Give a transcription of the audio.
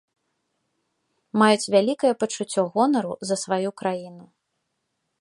Маюць вялікае пачуццё гонару за сваю краіну.